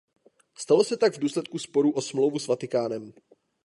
Stalo se tak v důsledku sporu o smlouvu s Vatikánem.